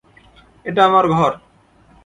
এটা আমার ঘর।